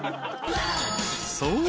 ［そう。